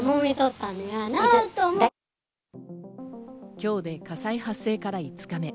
今日で火災発生から５日目。